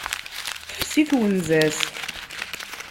Tefsi twenza-s.